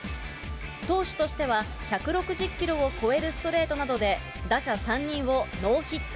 投手としては１６０キロを超えるストレートなどで、打者３人をノーヒット。